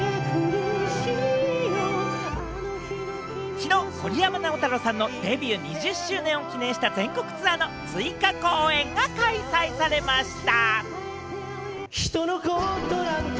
きのう、森山直太朗さんのデビュー２０周年を記念した全国ツアーの追加公演が開催されました。